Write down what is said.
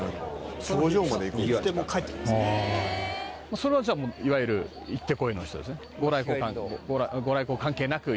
それはじゃあいわゆるいってこいの人ですね。